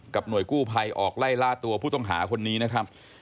หน่วยกู้ภัยออกไล่ล่าตัวผู้ต้องหาคนนี้นะครับ